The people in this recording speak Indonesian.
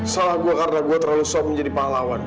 salah gue karena gue terlalu sop menjadi pahlawan